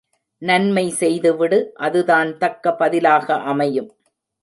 நன்மை செய்து விடு அதுதான் தக்க பதிலாக அமையும்.